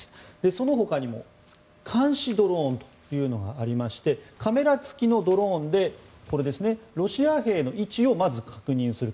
そのほかにも監視ドローンというのがありましてカメラ付きのドローンでロシア兵の位置をまず確認する。